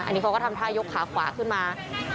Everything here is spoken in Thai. อันนี้เขาก็ทำท่ายกขาขวาขึ้นมา